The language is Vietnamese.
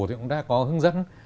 thì cũng đã có hướng dẫn